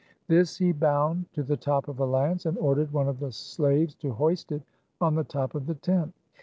This he bound to the top of a lance, and ordered one of the slaves to hoist it on the top of the tent.